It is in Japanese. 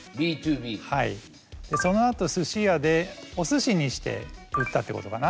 はいその後すし屋でおすしにして売ったってことかな。